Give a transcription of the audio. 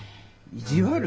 意地悪？